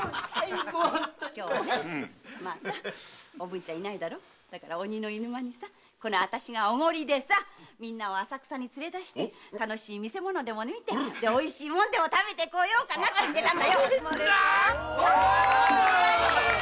今日はおぶんちゃんがいないから鬼のいぬ間にさこのあたしがおごりでみんなを浅草に連れ出して楽しい見世物を見ておいしいものでも食べようかって言ってたの。